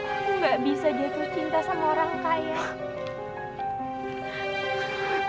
aku gak bisa jatuh cinta sama orang kaya